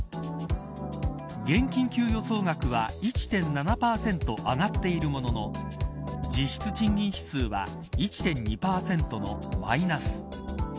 現金給与総額は１．７％上がっているものも実質賃金指数は１．２％のマイナス。